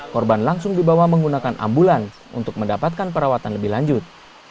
korban langsung dibawa menggunakan ambulan untuk mendapatkan perawatan lebih lanjut